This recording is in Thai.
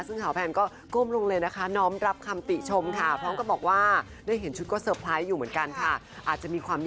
ซึ่งสาวแพนก็ก้มลงเลยนะคะ